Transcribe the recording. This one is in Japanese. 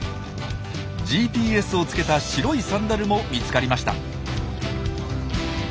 ＧＰＳを付けた白いサンダルも見つかりました。